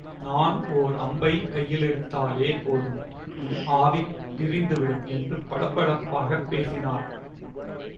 நான் ஓர் அம்பைக் கையிலெடுத்தாலே போதும், உன் ஆவி பிரிந்துவிடும்! என்று படபடப்பாகப் பேசினாள்.